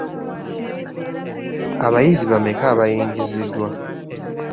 Abayizi bameka abayingiziddwa?